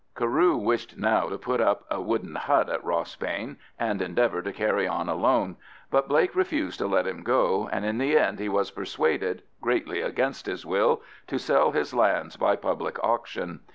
Carew wished now to put up a wooden hut at Rossbane and endeavour to carry on alone; but Blake refused to let him go, and in the end he was persuaded, greatly against his will, to sell his lands by public auction.